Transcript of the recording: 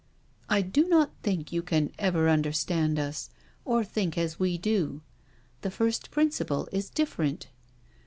" I do not think you can ever understand us, or think as we do— the first principle is different.